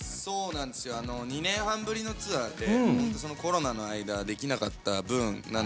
２年半ぶりのツアーでコロナの間できなかった分